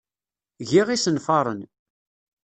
Giɣ isenfaren.